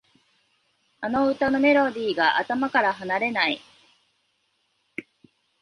あの歌のメロディーが頭から離れない